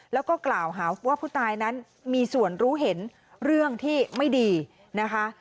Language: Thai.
แล้วก็กล่าวหาว่าผู้ตายนั้นมีส่วนรู้เห็นเรื่องที่ไม่ดีนะคะ